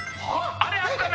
「あれあるかな？」